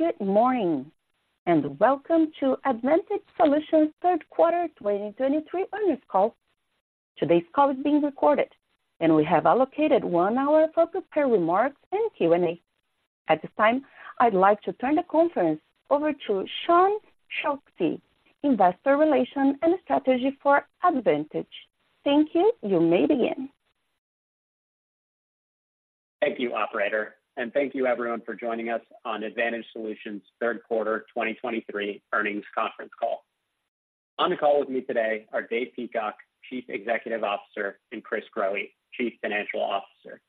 Good morning, and welcome to Advantage Solutions' third quarter 2023 earnings call. Today's call is being recorded, and we have allocated one hour for prepared remarks and Q&A. At this time, I'd like to turn the conference over to Sean Choksi, Investor Relations and Strategy for Advantage. Thank you. You may begin. Thank you, operator, and thank you everyone for joining us on Advantage Solutions' third quarter 2023 earnings conference call. On the call with me today are Dave Peacock, Chief Executive Officer, and Chris Growe, Chief Financial Officer.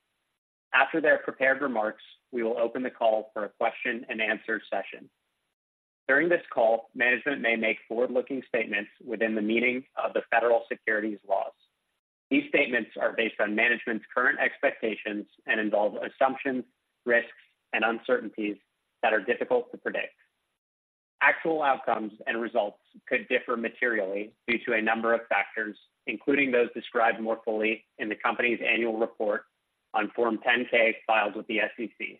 After their prepared remarks, we will open the call for a question-and-answer session. During this call, management may make forward-looking statements within the meaning of the federal securities laws. These statements are based on management's current expectations and involve assumptions, risks, and uncertainties that are difficult to predict. Actual outcomes and results could differ materially due to a number of factors, including those described more fully in the company's annual report on Form 10-K filed with the SEC.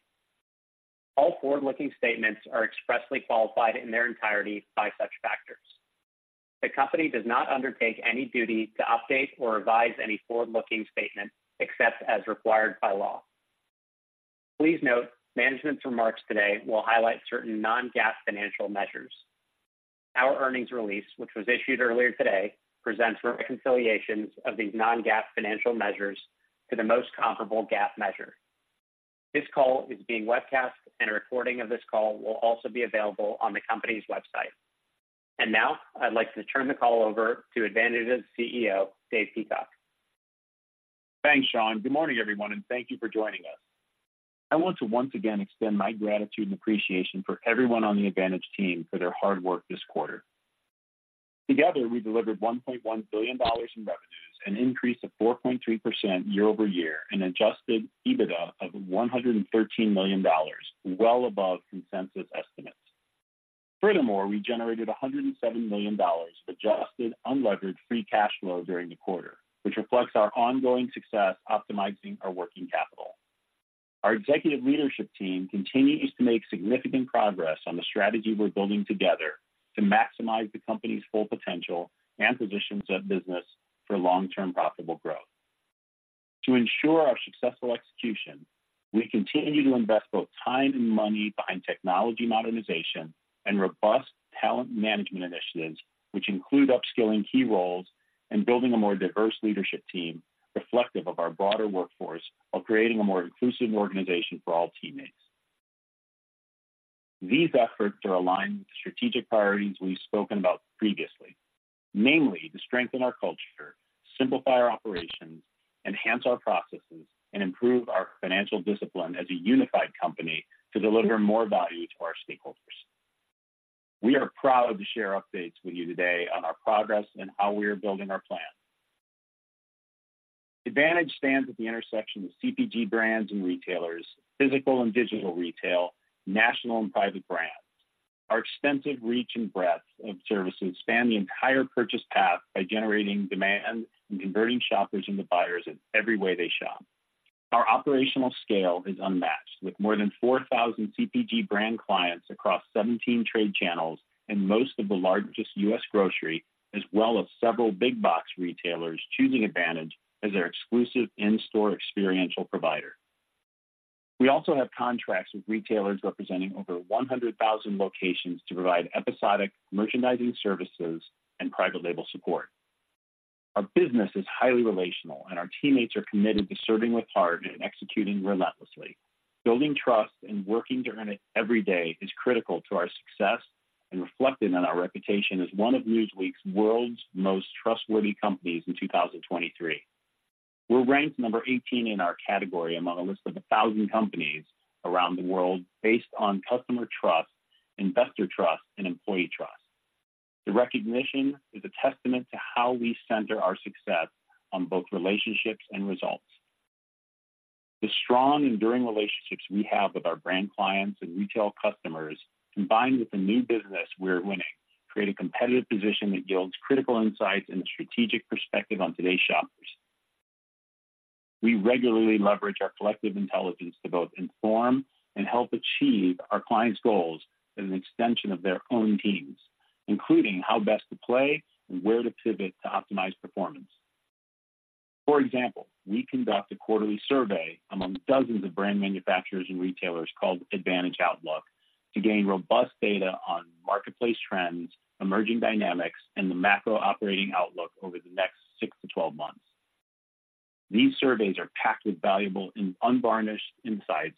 All forward-looking statements are expressly qualified in their entirety by such factors. The company does not undertake any duty to update or revise any forward-looking statement except as required by law. Please note, management's remarks today will highlight certain non-GAAP financial measures. Our earnings release, which was issued earlier today, presents reconciliations of these non-GAAP financial measures to the most comparable GAAP measure. This call is being webcast, and a recording of this call will also be available on the company's website. And now, I'd like to turn the call over to Advantage's CEO, Dave Peacock. Thanks, Sean. Good morning, everyone, and thank you for joining us. I want to once again extend my gratitude and appreciation for everyone on the Advantage team for their hard work this quarter. Together, we delivered $1.1 billion in revenues, an increase of 4.3% year-over-year, and Adjusted EBITDA of $113 million, well above consensus estimates. Furthermore, we generated $107 million of Adjusted Unlevered Free Cash Flow during the quarter, which reflects our ongoing success optimizing our working capital. Our executive leadership team continues to make significant progress on the strategy we're building together to maximize the company's full potential and position the business for long-term profitable growth. To ensure our successful execution, we continue to invest both time and money behind technology modernization and robust talent management initiatives, which include upskilling key roles and building a more diverse leadership team reflective of our broader workforce, while creating a more inclusive organization for all teammates. These efforts are aligned with the strategic priorities we've spoken about previously. Namely, to strengthen our culture, simplify our operations, enhance our processes, and improve our financial discipline as a unified company to deliver more value to our stakeholders. We are proud to share updates with you today on our progress and how we are building our plan. Advantage stands at the intersection of CPG brands and retailers, physical and digital retail, national and private brands. Our extensive reach and breadth of services span the entire purchase path by generating demand and converting shoppers into buyers in every way they shop. Our operational scale is unmatched, with more than 4,000 CPG brand clients across 17 trade channels and most of the largest U.S. grocery, as well as several big box retailers, choosing Advantage as their exclusive in-store experiential provider. We also have contracts with retailers representing over 100,000 locations to provide episodic merchandising services and private label support. Our business is highly relational, and our teammates are committed to serving with heart and executing relentlessly. Building trust and working to earn it every day is critical to our success and reflected in our reputation as one of Newsweek's World's Most Trustworthy Companies in 2023. We're ranked number 18 in our category among a list of 1,000 companies around the world based on customer trust, investor trust, and employee trust. The recognition is a testament to how we center our success on both relationships and results. The strong, enduring relationships we have with our brand clients and retail customers, combined with the new business we're winning, create a competitive position that yields critical insights and strategic perspective on today's shoppers. We regularly leverage our collective intelligence to both inform and help achieve our clients' goals as an extension of their own teams, including how best to play and where to pivot to optimize performance. For example, we conduct a quarterly survey among dozens of brand manufacturers and retailers called Advantage Outlook, to gain robust data on marketplace trends, emerging dynamics, and the macro operating outlook over the next 6-12 months. These surveys are packed with valuable and unvarnished insights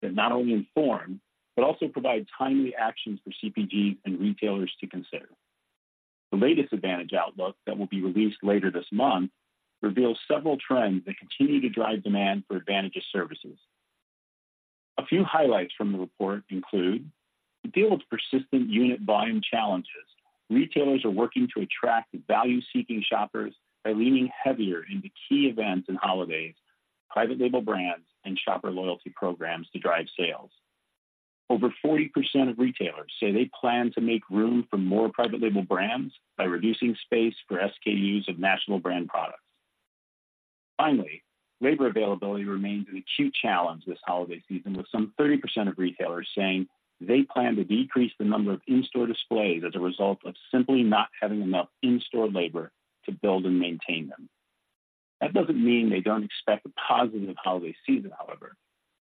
that not only inform, but also provide timely actions for CPG and retailers to consider. The latest Advantage Outlook, that will be released later this month, reveals several trends that continue to drive demand for Advantage's services. A few highlights from the report include: To deal with persistent unit volume challenges, retailers are working to attract value-seeking shoppers by leaning heavier into key events and holidays, private label brands, and shopper loyalty programs to drive sales. Over 40% of retailers say they plan to make room for more private label brands by reducing space for SKUs of national brand products. Finally, labor availability remains an acute challenge this holiday season, with some 30% of retailers saying they plan to decrease the number of in-store displays as a result of simply not having enough in-store labor to build and maintain them. That doesn't mean they don't expect a positive holiday season, however.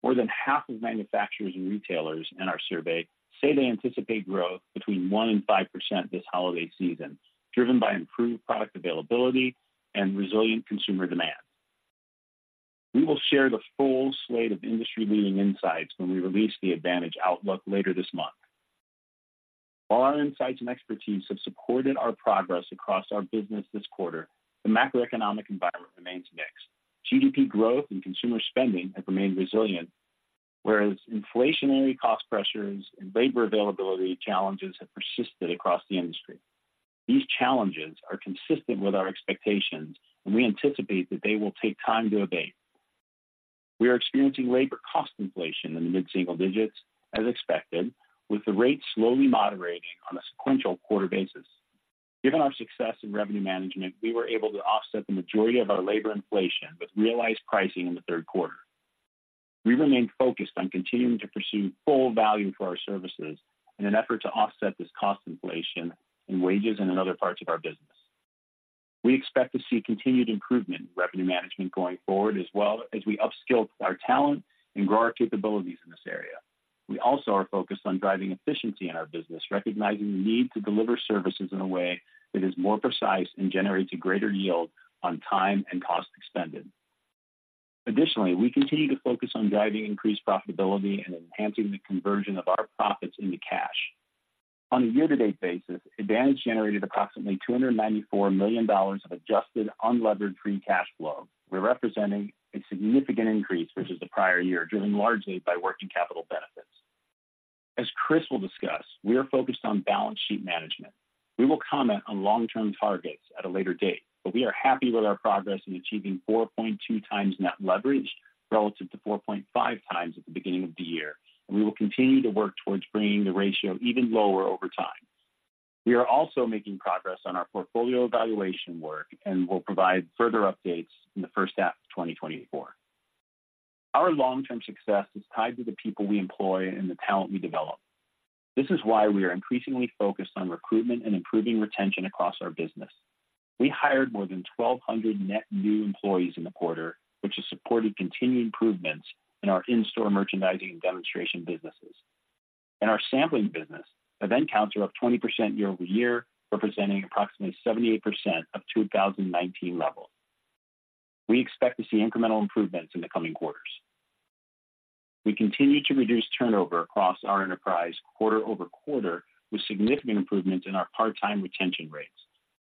More than half of manufacturers and retailers in our survey say they anticipate growth between 1% and 5% this holiday season, driven by improved product availability and resilient consumer demand. We will share the full slate of industry-leading insights when we release the Advantage Outlook later this month. While our insights and expertise have supported our progress across our business this quarter, the macroeconomic environment remains mixed. GDP growth and consumer spending have remained resilient, whereas inflationary cost pressures and labor availability challenges have persisted across the industry. These challenges are consistent with our expectations, and we anticipate that they will take time to abate. We are experiencing labor cost inflation in the mid-single digits, as expected, with the rate slowly moderating on a sequential quarter basis. Given our success in revenue management, we were able to offset the majority of our labor inflation with realized pricing in the third quarter. We remain focused on continuing to pursue full value for our services in an effort to offset this cost inflation in wages and in other parts of our business. We expect to see continued improvement in revenue management going forward, as well as we upskill our talent and grow our capabilities in this area. We also are focused on driving efficiency in our business, recognizing the need to deliver services in a way that is more precise and generates a greater yield on time and cost expended. Additionally, we continue to focus on driving increased profitability and enhancing the conversion of our profits into cash. On a year-to-date basis, Advantage generated approximately $294 million of Adjusted Unlevered Free Cash Flow. We're representing a significant increase versus the prior year, driven largely by working capital benefits. As Chris will discuss, we are focused on balance sheet management. We will comment on long-term targets at a later date, but we are happy with our progress in achieving 4.2x net leverage relative to 4.5x at the beginning of the year, and we will continue to work towards bringing the ratio even lower over time. We are also making progress on our portfolio evaluation work and will provide further updates in the first half of 2024. Our long-term success is tied to the people we employ and the talent we develop. This is why we are increasingly focused on recruitment and improving retention across our business. We hired more than 1,200 net new employees in the quarter, which has supported continued improvements in our in-store merchandising and demonstration businesses. In our sampling business, event counts are up 20% year-over-year, representing approximately 78% of 2019 levels. We expect to see incremental improvements in the coming quarters. We continue to reduce turnover across our enterprise quarter-over-quarter, with significant improvements in our part-time retention rates.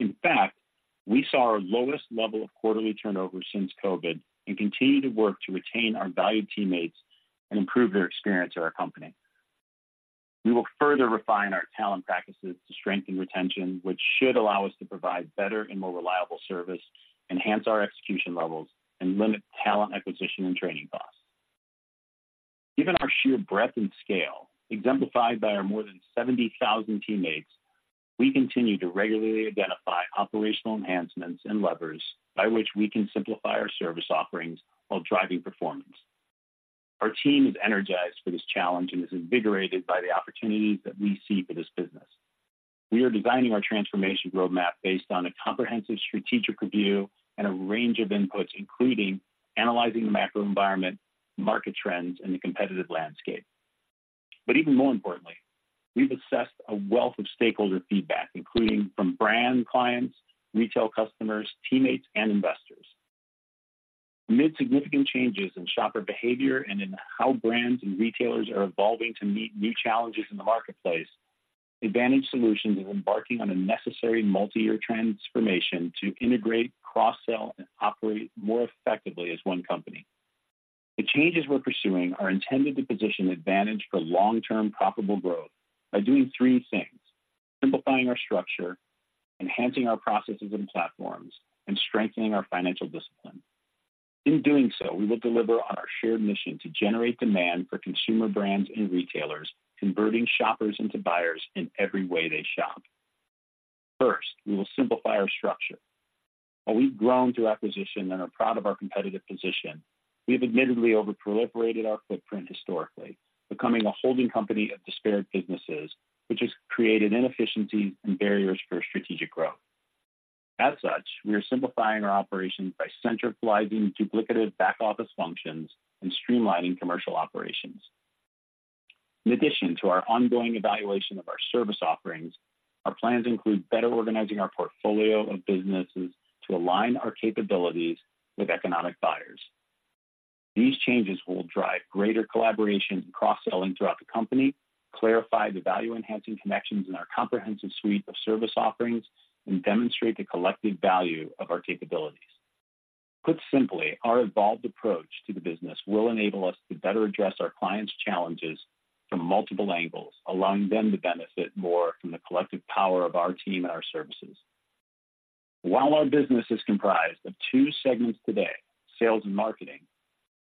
In fact, we saw our lowest level of quarterly turnover since COVID and continue to work to retain our valued teammates and improve their experience at our company. We will further refine our talent practices to strengthen retention, which should allow us to provide better and more reliable service, enhance our execution levels, and limit talent acquisition and training costs. Given our sheer breadth and scale, exemplified by our more than 70,000 teammates, we continue to regularly identify operational enhancements and levers by which we can simplify our service offerings while driving performance. Our team is energized for this challenge and is invigorated by the opportunities that we see for this business. We are designing our transformation roadmap based on a comprehensive strategic review and a range of inputs, including analyzing the macro environment, market trends, and the competitive landscape. Even more importantly, we've assessed a wealth of stakeholder feedback, including from brand clients, retail customers, teammates, and investors. Amid significant changes in shopper behavior and in how brands and retailers are evolving to meet new challenges in the marketplace, Advantage Solutions is embarking on a necessary multi-year transformation to integrate, cross-sell, and operate more effectively as one company. The changes we're pursuing are intended to position Advantage for long-term profitable growth by doing three things: simplifying our structure, enhancing our processes and platforms, and strengthening our financial discipline. In doing so, we will deliver on our shared mission to generate demand for consumer brands and retailers, converting shoppers into buyers in every way they shop. First, we will simplify our structure. While we've grown through acquisition and are proud of our competitive position, we have admittedly over-proliferated our footprint historically, becoming a holding company of disparate businesses, which has created inefficiencies and barriers for strategic growth. As such, we are simplifying our operations by centralizing duplicative back-office functions and streamlining commercial operations. In addition to our ongoing evaluation of our service offerings, our plans include better organizing our portfolio of businesses to align our capabilities with economic buyers. These changes will drive greater collaboration and cross-selling throughout the company, clarify the value-enhancing connections in our comprehensive suite of service offerings, and demonstrate the collective value of our capabilities. Put simply, our evolved approach to the business will enable us to better address our clients' challenges from multiple angles, allowing them to benefit more from the collective power of our team and our services. While our business is comprised of two segments today, sales and marketing.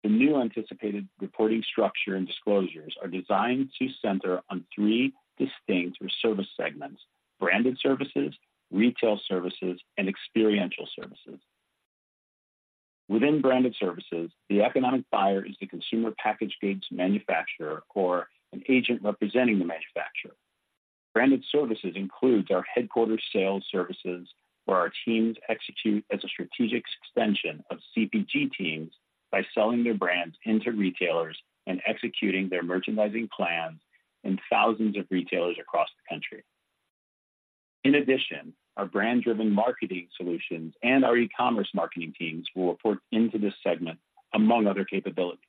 The new anticipated reporting structure and disclosures are designed to center on three distinct core service segments: Branded Services, Retailer Services, and Experiential Services. Within Branded Services, the economic buyer is the consumer packaged goods manufacturer or an agent representing the manufacturer. Branded Services includes our headquarters sales services, where our teams execute as a strategic extension of CPG teams by selling their brands into retailers and executing their merchandising plans in thousands of retailers across the country. In addition, our brand-driven marketing solutions and our e-commerce marketing teams will report into this segment, among other capabilities.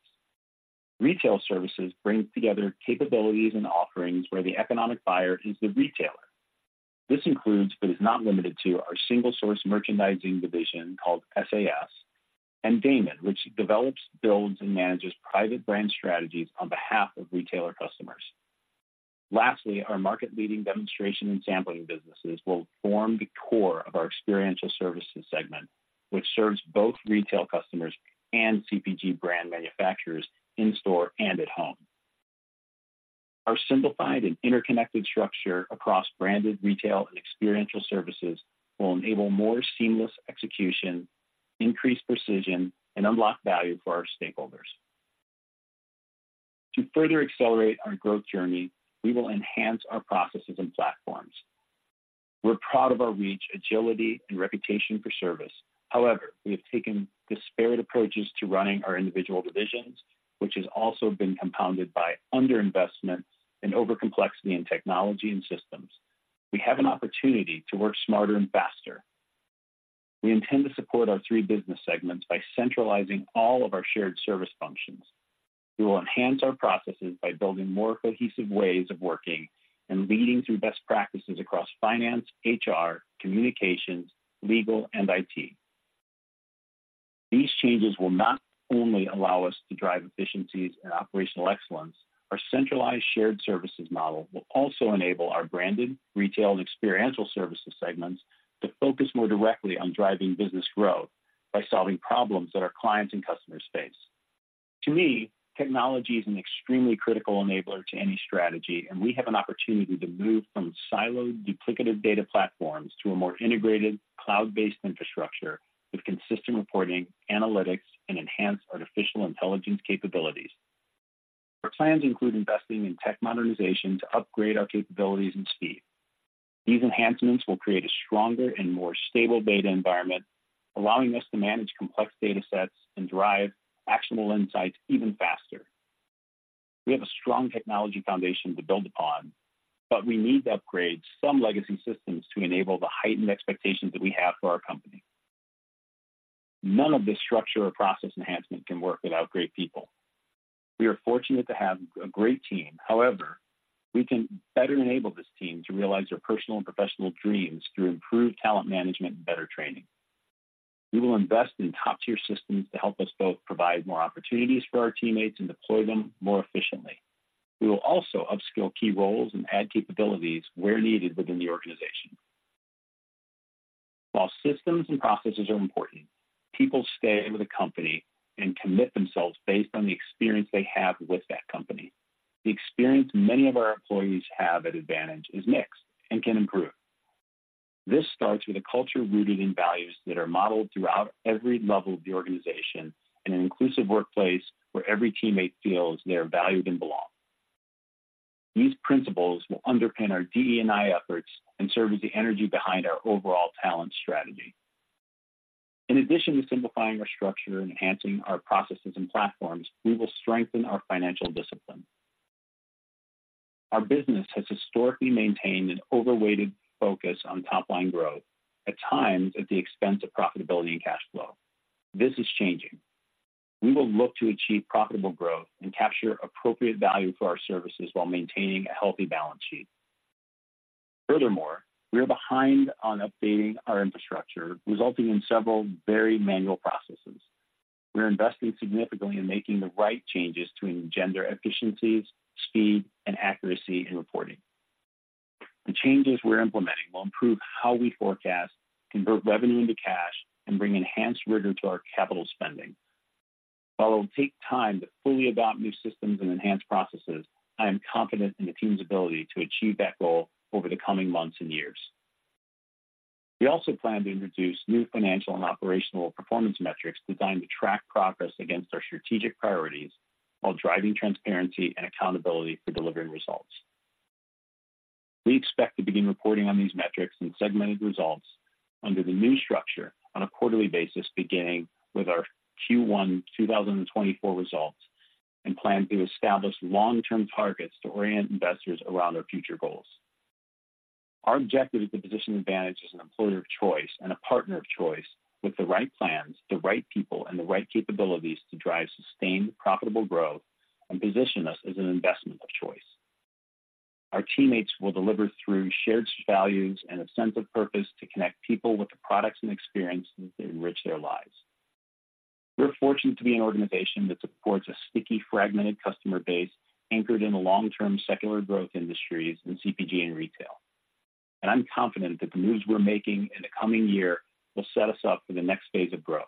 Retailer Services brings together capabilities and offerings where the economic buyer is the retailer. This includes, but is not limited to, our single source merchandising division called SAS, and Daymon, which develops, builds, and manages private brand strategies on behalf of retailer customers. Lastly, our market-leading demonstration and sampling businesses will form the core of our Experiential Services segment, which serves both retail customers and CPG brand manufacturers in store and at home. Our simplified and interconnected structure across Branded, Retailer, and Experiential Services will enable more seamless execution, increased precision, and unlock value for our stakeholders. To further accelerate our growth journey, we will enhance our processes and platforms. We're proud of our reach, agility, and reputation for service. However, we have taken disparate approaches to running our individual divisions, which has also been compounded by underinvestment and overcomplexity in technology and systems. We have an opportunity to work smarter and faster. We intend to support our three business segments by centralizing all of our shared service functions. We will enhance our processes by building more cohesive ways of working and leading through best practices across finance, HR, communications, legal, and IT. These changes will not only allow us to drive efficiencies and operational excellence. Our centralized shared services model will also enable our branded, retail, and experiential services segments to focus more directly on driving business growth by solving problems that our clients and customers face. To me, technology is an extremely critical enabler to any strategy, and we have an opportunity to move from siloed, duplicative data platforms to a more integrated, cloud-based infrastructure with consistent reporting, analytics, and enhanced artificial intelligence capabilities. Our plans include investing in tech modernization to upgrade our capabilities and speed. These enhancements will create a stronger and more stable data environment, allowing us to manage complex data sets and drive actionable insights even faster. We have a strong technology foundation to build upon, but we need to upgrade some legacy systems to enable the heightened expectations that we have for our company. None of this structure or process enhancement can work without great people. We are fortunate to have a great team. However, we can better enable this team to realize their personal and professional dreams through improved talent management and better training. We will invest in top-tier systems to help us both provide more opportunities for our teammates and deploy them more efficiently. We will also upskill key roles and add capabilities where needed within the organization. While systems and processes are important, people stay with a company and commit themselves based on the experience they have with that company. The experience many of our employees have at Advantage is mixed and can improve. This starts with a culture rooted in values that are modeled throughout every level of the organization, and an inclusive workplace where every teammate feels they are valued and belong. These principles will underpin our DE&I efforts and serve as the energy behind our overall talent strategy. In addition to simplifying our structure and enhancing our processes and platforms, we will strengthen our financial discipline. Our business has historically maintained an overweighted focus on top-line growth, at times at the expense of profitability and cash flow. This is changing. We will look to achieve profitable growth and capture appropriate value for our services while maintaining a healthy balance sheet. Furthermore, we are behind on updating our infrastructure, resulting in several very manual processes. We're investing significantly in making the right changes to engender efficiencies, speed, and accuracy in reporting. The changes we're implementing will improve how we forecast, convert revenue into cash, and bring enhanced rigor to our capital spending. While it will take time to fully adopt new systems and enhance processes, I am confident in the team's ability to achieve that goal over the coming months and years. We also plan to introduce new financial and operational performance metrics designed to track progress against our strategic priorities while driving transparency and accountability for delivering results. We expect to begin reporting on these metrics and segmented results under the new structure on a quarterly basis, beginning with our Q1 2024 results, and plan to establish long-term targets to orient investors around our future goals. Our objective is to position Advantage as an employer of choice and a partner of choice with the right plans, the right people, and the right capabilities to drive sustained, profitable growth and position us as an investment of choice. Our teammates will deliver through shared values and a sense of purpose to connect people with the products and experiences that enrich their lives. We're fortunate to be an organization that supports a sticky, fragmented customer base anchored in the long-term secular growth industries in CPG and retail. And I'm confident that the moves we're making in the coming year will set us up for the next phase of growth.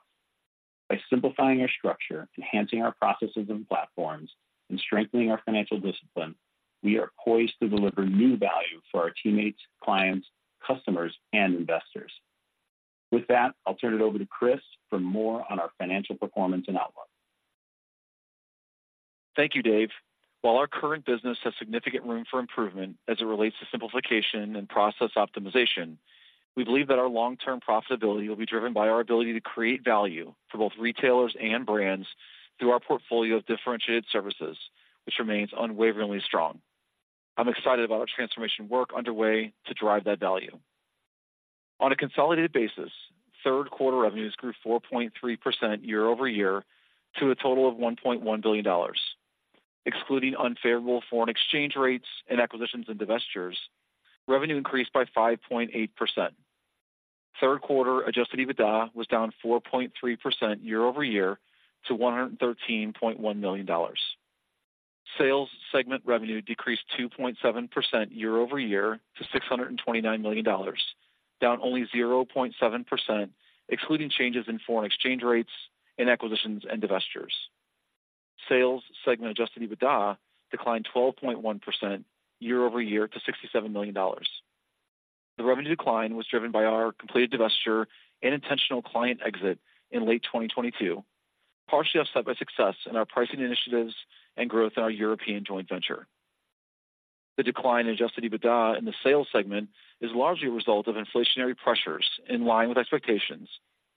By simplifying our structure, enhancing our processes and platforms, and strengthening our financial discipline, we are poised to deliver new value for our teammates, clients, customers, and investors. With that, I'll turn it over to Chris for more on our financial performance and outlook. Thank you, Dave. While our current business has significant room for improvement as it relates to simplification and process optimization, we believe that our long-term profitability will be driven by our ability to create value for both retailers and brands through our portfolio of differentiated services, which remains unwaveringly strong. I'm excited about our transformation work underway to drive that value. On a consolidated basis, third quarter revenues grew 4.3% year-over-year, to a total of $1.1 billion. Excluding unfavorable foreign exchange rates and acquisitions and divestitures, revenue increased by 5.8%. Third quarter adjusted EBITDA was down 4.3% year-over-year to $113.1 million. Sales segment revenue decreased 2.7% year-over-year to $629 million, down only 0.7%, excluding changes in foreign exchange rates and acquisitions and divestitures. Sales segment Adjusted EBITDA declined 12.1% year-over-year to $67 million. The revenue decline was driven by our completed divestiture and intentional client exit in late 2022, partially offset by success in our pricing initiatives and growth in our European joint venture. The decline in Adjusted EBITDA in the sales segment is largely a result of inflationary pressures in line with expectations,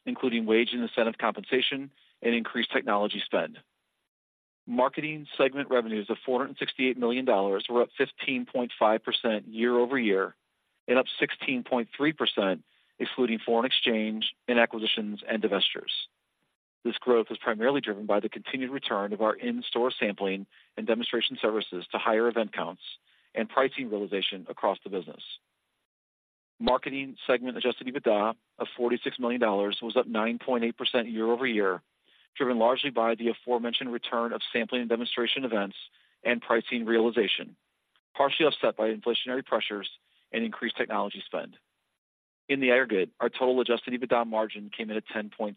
including wage and incentive compensation and increased technology spend. Marketing segment revenues of $468 million were up 15.5% year-over-year and up 16.3%, excluding foreign exchange and acquisitions and divestitures. This growth is primarily driven by the continued return of our in-store sampling and demonstration services to higher event counts and pricing realization across the business. Marketing segment Adjusted EBITDA of $46 million was up 9.8% year-over-year, driven largely by the aforementioned return of sampling and demonstration events and pricing realization, partially offset by inflationary pressures and increased technology spend. In the aggregate, our total Adjusted EBITDA margin came in at 10.3%.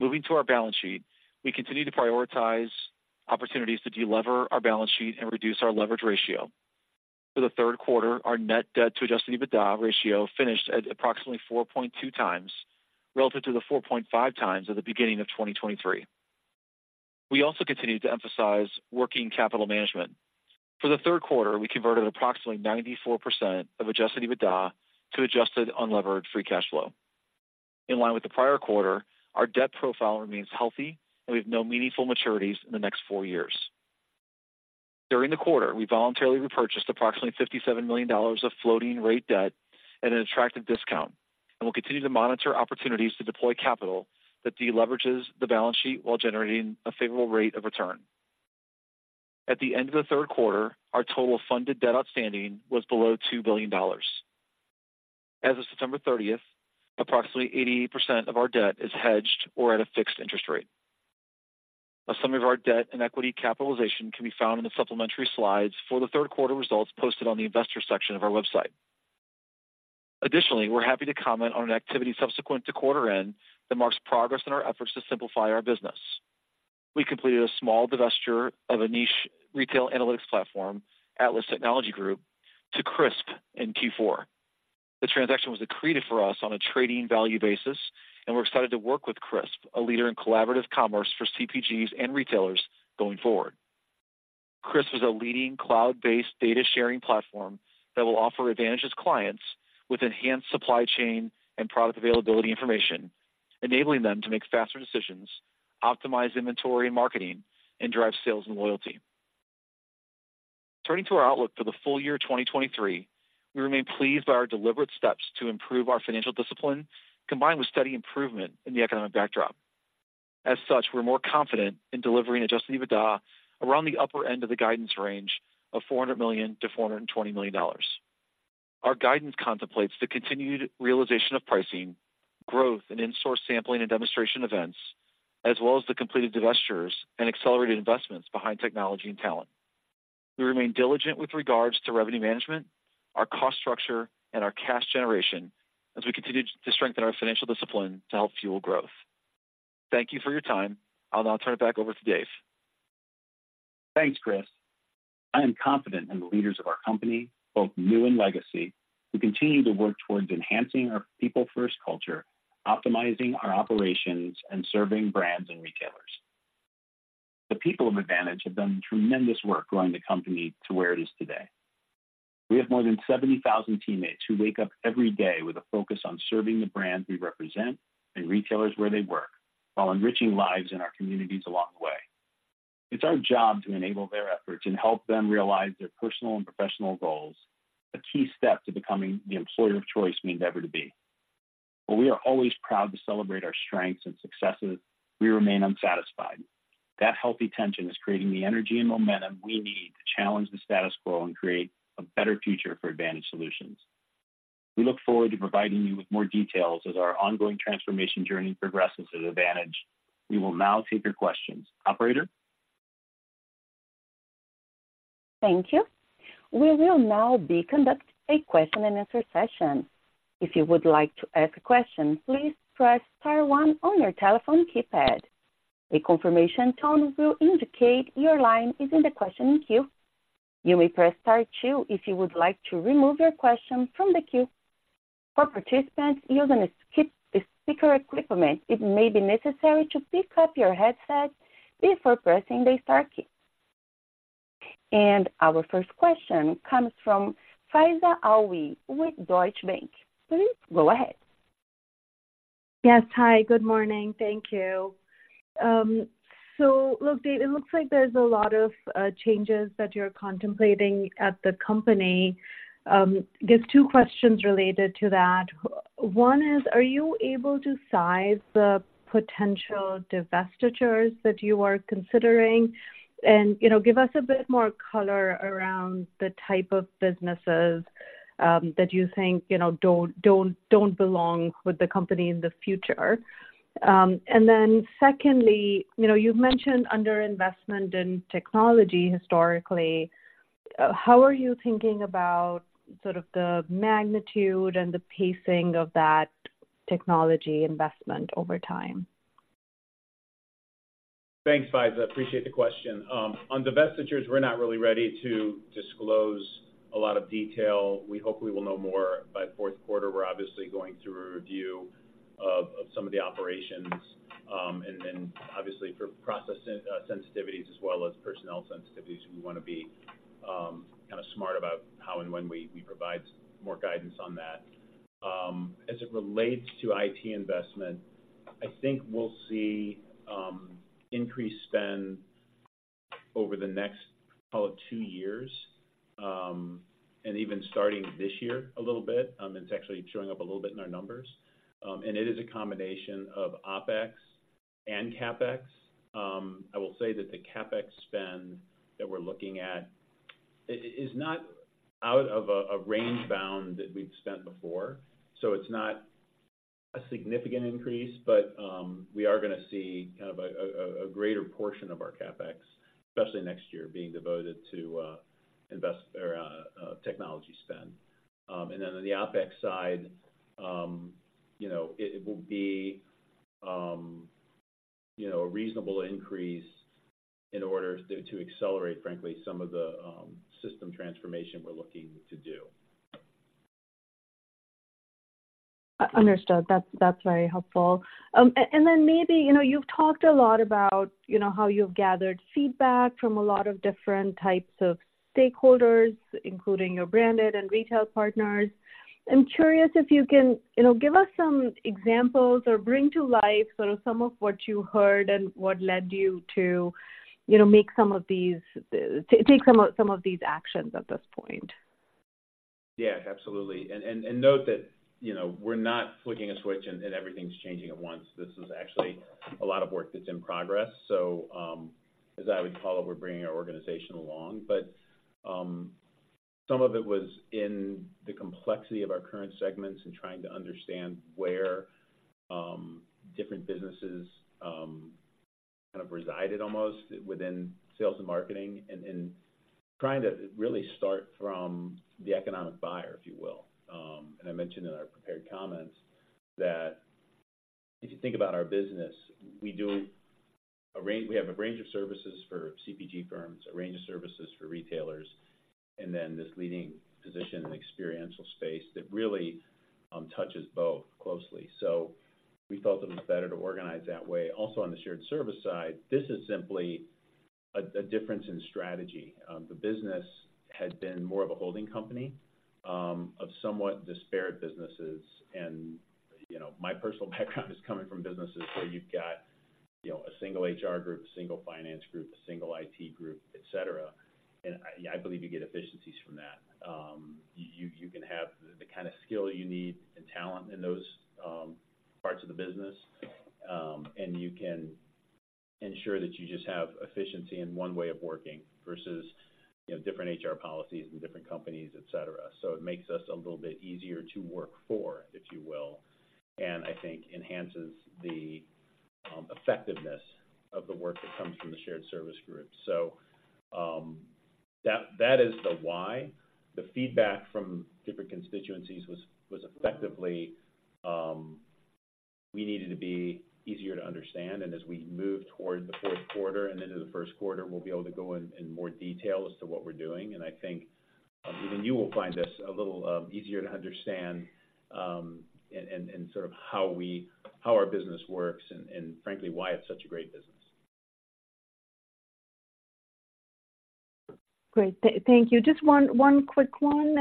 Moving to our balance sheet, we continue to prioritize opportunities to deliver our balance sheet and reduce our leverage ratio. For the third quarter, our net debt to Adjusted EBITDA ratio finished at approximately 4.2 times, relative to the 4.5 times at the beginning of 2023. We also continued to emphasize working capital management. For the third quarter, we converted approximately 94% of Adjusted EBITDA to Adjusted Unlevered Free Cash Flow. In line with the prior quarter, our debt profile remains healthy, and we have no meaningful maturities in the next four years. During the quarter, we voluntarily repurchased approximately $57 million of floating rate debt at an attractive discount and will continue to monitor opportunities to deploy capital that de-leverages the balance sheet while generating a favorable rate of return. At the end of the third quarter, our total funded debt outstanding was below $2 billion. As of September 30, approximately 80% of our debt is hedged or at a fixed interest rate. A summary of our debt and equity capitalization can be found in the supplementary slides for the third quarter results posted on the investor section of our website. Additionally, we're happy to comment on an activity subsequent to quarter end that marks progress in our efforts to simplify our business. We completed a small divestiture of a niche retail analytics platform, Atlas Technology Group, to Crisp in Q4. The transaction was accretive for us on a trading value basis, and we're excited to work with Crisp, a leader in collaborative commerce for CPGs and retailers going forward. Crisp is a leading cloud-based data sharing platform that will offer Advantage's clients with enhanced supply chain and product availability information, enabling them to make faster decisions, optimize inventory and marketing, and drive sales and loyalty. Turning to our outlook for the full year 2023, we remain pleased by our deliberate steps to improve our financial discipline, combined with steady improvement in the economic backdrop. As such, we're more confident in delivering Adjusted EBITDA around the upper end of the guidance range of $400 million-$420 million. Our guidance contemplates the continued realization of pricing, growth in in-store sampling and demonstration events, as well as the completed divestitures and accelerated investments behind technology and talent. We remain diligent with regards to revenue management, our cost structure, and our cash generation as we continue to strengthen our financial discipline to help fuel growth. Thank you for your time. I'll now turn it back over to Dave. Thanks, Chris. I am confident in the leaders of our company, both new and legacy, who continue to work towards enhancing our people-first culture, optimizing our operations, and serving brands and retailers. The people of Advantage have done tremendous work growing the company to where it is today. We have more than 70,000 teammates who wake up every day with a focus on serving the brands we represent and retailers where they work, while enriching lives in our communities along the way. It's our job to enable their efforts and help them realize their personal and professional goals, a key step to becoming the employer of choice we endeavor to be. While we are always proud to celebrate our strengths and successes, we remain unsatisfied. That healthy tension is creating the energy and momentum we need to challenge the status quo and create a better future for Advantage Solutions. We look forward to providing you with more details as our ongoing transformation journey progresses at Advantage. We will now take your questions. Operator? Thank you. We will now be conducting a question-and-answer session. If you would like to ask a question, please press star one on your telephone keypad. A confirmation tone will indicate your line is in the questioning queue. You may press star two if you would like to remove your question from the queue. For participants using a speaker equipment, it may be necessary to pick up your headset before pressing the star key. And our first question comes from Faiza Alwy with Deutsche Bank. Please go ahead. Yes. Hi, good morning. Thank you. So look, Dave, it looks like there's a lot of changes that you're contemplating at the company. There's two questions related to that. One is, are you able to size the potential divestitures that you are considering? And, you know, give us a bit more color around the type of businesses that you think, you know, don't, don't, don't belong with the company in the future. And then secondly, you know, you've mentioned underinvestment in technology historically. How are you thinking about sort of the magnitude and the pacing of that technology investment over time? Thanks, Faiza. Appreciate the question. On divestitures, we're not really ready to disclose a lot of detail. We hope we will know more by fourth quarter. We're obviously going through a review of some of the operations. Then, obviously, for process sensitivities as well as personnel sensitivities, we want to be kind of smart about how and when we provide more guidance on that. As it relates to IT investment, I think we'll see increased spend over the next, call it, two years, and even starting this year a little bit. It's actually showing up a little bit in our numbers. It is a combination of OpEx and CapEx. I will say that the CapEx spend that we're looking at is not out of a range bound that we've spent before, so it's not a significant increase. But we are going to see kind of a greater portion of our CapEx, especially next year, being devoted to technology spend. And then on the OpEx side, you know, it will be, you know, a reasonable increase in order to accelerate, frankly, some of the system transformation we're looking to do. Understood. That's very helpful. And then maybe, you know, you've talked a lot about, you know, how you've gathered feedback from a lot of different types of stakeholders, including your branded and retail partners. I'm curious if you can, you know, give us some examples or bring to life sort of some of what you heard and what led you to, you know, take some of these actions at this point. Yeah, absolutely. Note that, you know, we're not flicking a switch and everything's changing at once. This is actually a lot of work that's in progress. As I would call it, we're bringing our organization along. Some of it was in the complexity of our current segments and trying to understand where different businesses kind of resided almost within sales and marketing, and trying to really start from the economic buyer, if you will. I mentioned in our prepared comments that if you think about our business, we have a range of services for CPG firms, a range of services for retailers, and then this leading position in the experiential space that really touches both closely. We felt it was better to organize that way. Also, on the shared service side, this is simply a difference in strategy. The business had been more of a holding company of somewhat disparate businesses. You know, my personal background is coming from businesses where you've got, you know, a single HR group, a single finance group, a single IT group, et cetera. I believe you get efficiencies from that. You can have the kind of skill you need and talent in those parts of the business, and you can ensure that you just have efficiency in one way of working versus, you know, different HR policies and different companies, et cetera. It makes us a little bit easier to work for, if you will, and I think enhances the effectiveness of the work that comes from the shared service group. So, that is the why. The feedback from different constituencies was effectively we needed to be easier to understand. As we move toward the fourth quarter and into the first quarter, we'll be able to go in more detail as to what we're doing. I think even you will find this a little easier to understand and sort of how our business works and frankly why it's such a great business. Great. Thank you. Just one quick one.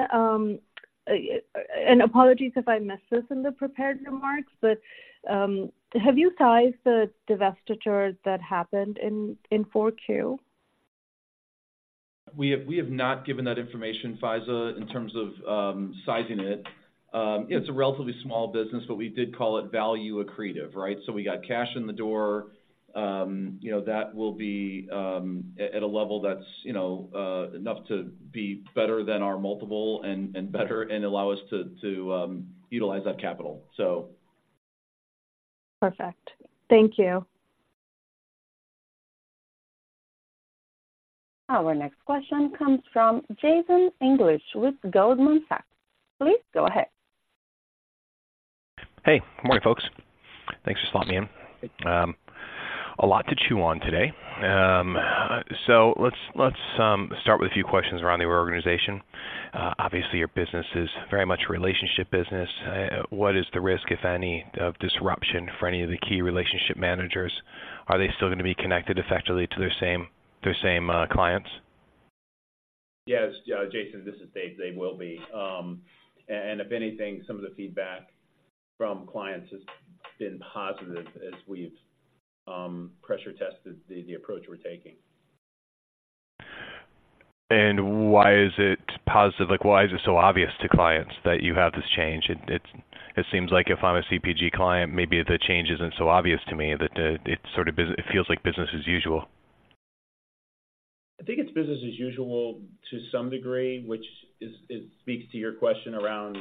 Apologies if I missed this in the prepared remarks, but have you sized the divestiture that happened in 4Q? We have, we have not given that information, Faiza, in terms of sizing it. It's a relatively small business, but we did call it value accretive, right? So we got cash in the door. You know, that will be at a level that's, you know, enough to be better than our multiple and better and allow us to utilize that capital. So- Perfect. Thank you. Our next question comes from Jason English with Goldman Sachs. Please go ahead. Hey, good morning, folks. Thanks for slotting me in. A lot to chew on today. So let's start with a few questions around the organization. Obviously, your business is very much a relationship business. What is the risk, if any, of disruption for any of the key relationship managers? Are they still going to be connected effectively to their same clients? Yes, Jason, this is Dave. They will be. If anything, some of the feedback from clients has been positive as we've pressure tested the approach we're taking. And why is it positive? Like, why is it so obvious to clients that you have this change? It seems like if I'm a CPG client, maybe the change isn't so obvious to me, that it sort of feels like business as usual. I think it's business as usual to some degree, which speaks to your question around,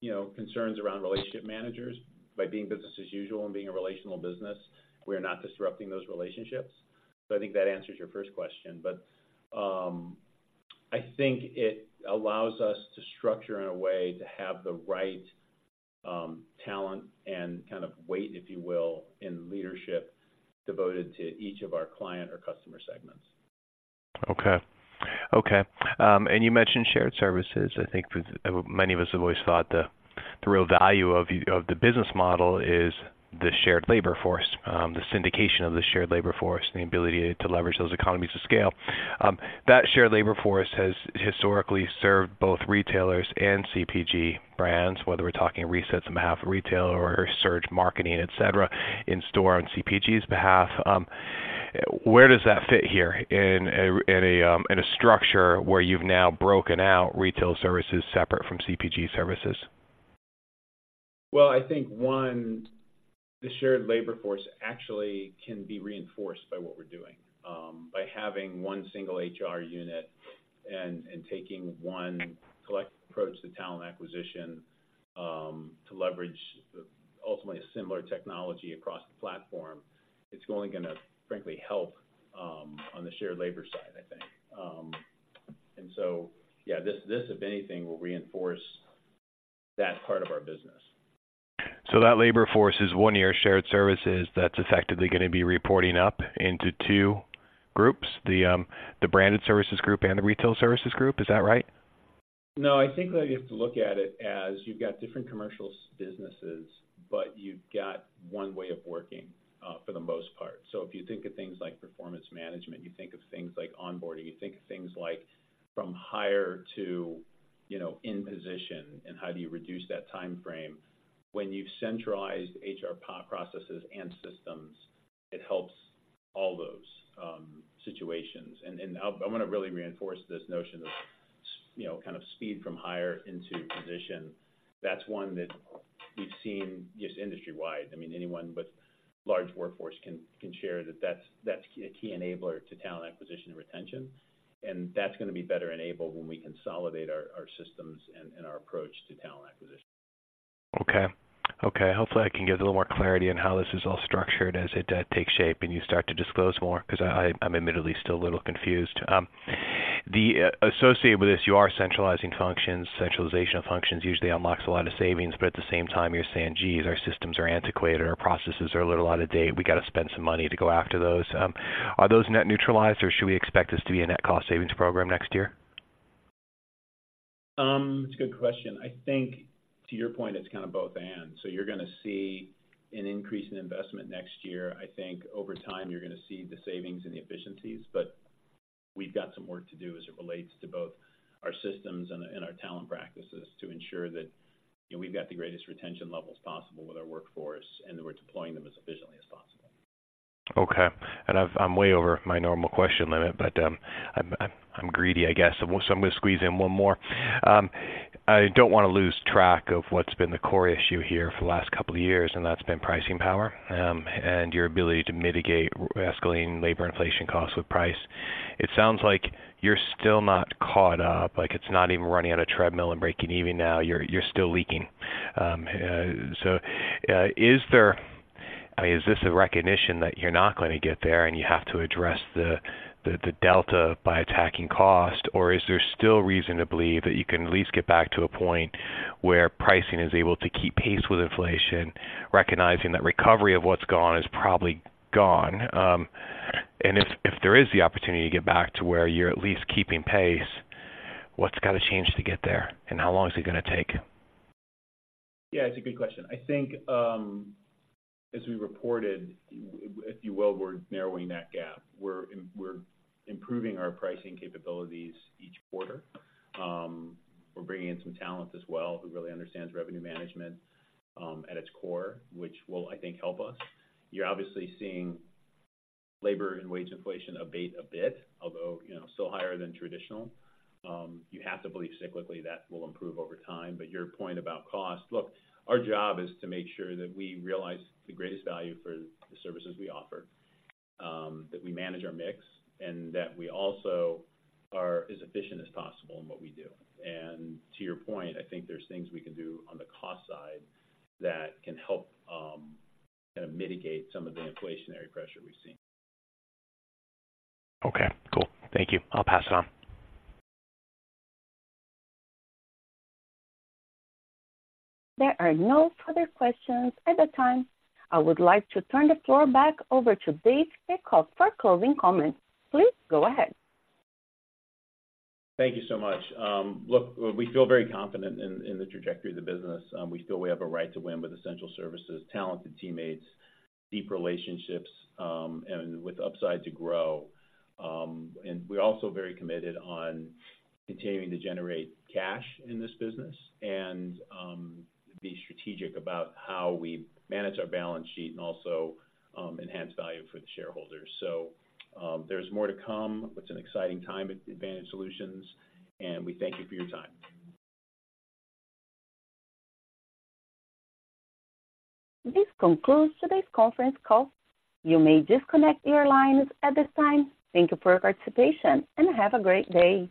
you know, concerns around relationship managers. By being business as usual and being a relational business, we are not disrupting those relationships. So I think that answers your first question. But, I think it allows us to structure in a way to have the right, talent and kind of weight, if you will, in leadership devoted to each of our client or customer segments. Okay. Okay. And you mentioned shared services. I think for many of us have always thought the real value of the business model is the shared labor force, the syndication of the shared labor force, and the ability to leverage those economies of scale. That shared labor force has historically served both retailers and CPG brands, whether we're talking resets on behalf of retailer or search marketing, et cetera, in store on CPG's behalf. Where does that fit here in a structure where you've now broken out retail services separate from CPG services? Well, I think, one, the shared labor force actually can be reinforced by what we're doing. By having one single HR unit and taking one collective approach to talent acquisition, to leverage ultimately a similar technology across the platform, it's only going to, frankly, help on the shared labor side, I think. And so yeah, this, this, if anything, will reinforce that part of our business. So that labor force is one-year shared services that's effectively going to be reporting up into two groups, the Branded Services group and the Retailer Services group. Is that right? No, I think that you have to look at it as you've got different commercial businesses, but you've got one way of working for the most part. So if you think of things like performance management, you think of things like onboarding, you think of things like from hire to, you know, in position, and how do you reduce that timeframe. When you've centralized HR processes and systems, it helps all those situations. And I want to really reinforce this notion of, you know, kind of speed from hire into position. That's one that we've seen just industry-wide. I mean, anyone with large workforce can share that, that's a key enabler to talent acquisition and retention, and that's going to be better enabled when we consolidate our systems and our approach to talent acquisition. Okay. Okay, hopefully, I can get a little more clarity on how this is all structured as it takes shape and you start to disclose more, because I, I'm admittedly still a little confused. The associated with this, you are centralizing functions. Centralization of functions usually unlocks a lot of savings, but at the same time, you're saying, "Geez, our systems are antiquated, our processes are a little out of date. We got to spend some money to go after those." Are those net neutralized, or should we expect this to be a net cost savings program next year? It's a good question. I think to your point, it's kind of both/and. So you're going to see an increase in investment next year. I think over time, you're going to see the savings and the efficiencies, but we've got some work to do as it relates to both our systems and, and our talent practices to ensure that, you know, we've got the greatest retention levels possible with our workforce and that we're deploying them as efficiently as possible. Okay. I've, I'm way over my normal question limit, but I'm greedy, I guess, so I'm going to squeeze in one more. I don't want to lose track of what's been the core issue here for the last couple of years, and that's been pricing power, and your ability to mitigate escalating labor inflation costs with price. It sounds like you're still not caught up, like it's not even running on a treadmill and breaking even now. You're still leaking. So, is there, I mean, is this a recognition that you're not going to get there, and you have to address the delta by attacking cost? Or is there still reason to believe that you can at least get back to a point where pricing is able to keep pace with inflation, recognizing that recovery of what's gone is probably gone? And if, if there is the opportunity to get back to where you're at least keeping pace, what's got to change to get there, and how long is it going to take? Yeah, it's a good question. I think, as we reported, if you will, we're narrowing that gap. We're improving our pricing capabilities each quarter. We're bringing in some talent as well, who really understands revenue management, at its core, which will, I think, help us. You're obviously seeing labor and wage inflation abate a bit, although, you know, still higher than traditional. You have to believe cyclically, that will improve over time. But your point about cost, look, our job is to make sure that we realize the greatest value for the services we offer, that we manage our mix, and that we also are as efficient as possible in what we do. And to your point, I think there's things we can do on the cost side that can help, kind of mitigate some of the inflationary pressure we've seen. Okay, cool. Thank you. I'll pass it on. There are no further questions at the time. I would like to turn the floor back over to Dave Peacock for closing comments. Please go ahead. Thank you so much. Look, we feel very confident in the trajectory of the business. We feel we have a right to win with essential services, talented teammates, deep relationships, and with upside to grow. And we're also very committed on continuing to generate cash in this business and be strategic about how we manage our balance sheet and also enhance value for the shareholders. So, there's more to come. It's an exciting time at Advantage Solutions, and we thank you for your time. This concludes today's conference call. You may disconnect your lines at this time. Thank you for your participation, and have a great day.